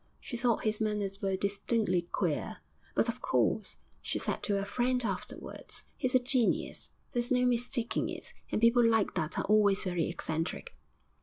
She thought his manners were distinctly queer. 'But, of course,' she said to a friend afterwards, 'he's a genius, there's no mistaking it, and people like that are always very eccentric.'